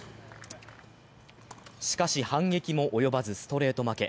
しかし、反撃も及ばず、ストレート負け。